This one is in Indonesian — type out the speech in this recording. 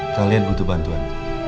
kalian butuh bantuan